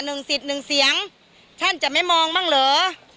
หนึ่งสิทธิ์หนึ่งเสียงท่านจะไม่มองบ้างเหรอ